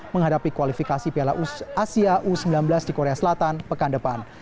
menghadapi kualifikasi piala asia u sembilan belas di korea selatan pekan depan